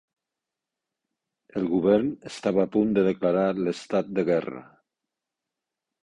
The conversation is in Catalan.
El Govern estava a punt de declarar l’estat de guerra